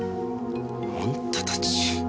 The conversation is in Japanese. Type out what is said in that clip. あんたたち。